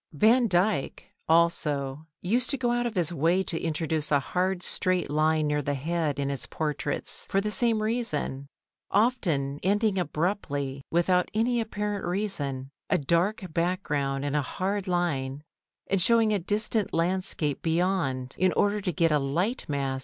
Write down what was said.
Van Dyck, also, used to go out of his way to introduce a hard straight line near the head in his portraits for the same reason, often ending abruptly, without any apparent reason, a dark background in a hard line, and showing a distant landscape beyond in order to get a light mass to accentuate the straight line.